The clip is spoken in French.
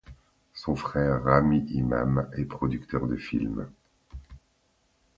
Son frère Rami Imam est producteur de films.